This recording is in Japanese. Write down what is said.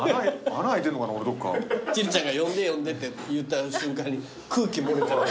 千里ちゃんが呼んで呼んでって言った瞬間に空気漏れた。